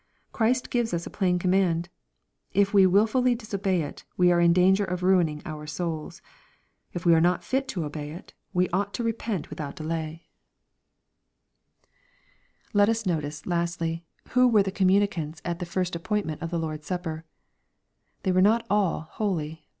Christ gives us a plain command. If we wilfully disobey it, we are in danger of ruining our souls. If we are not fit to obey it, we ought to repent without delay. LUKE, CHAP. XXII. 899 Let us notice, lastly, who were the communicants at the first appointment of the Lord's Sujjper, They were not all holy.